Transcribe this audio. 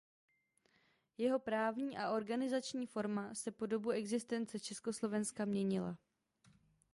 Jeho právní a organizační forma se po dobu existence Československa měnila.